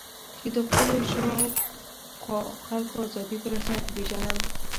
چې د خپلو شا او خوا خلکو آزادي په رسمیت وپېژنم.